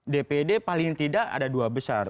dpd paling tidak ada dua besar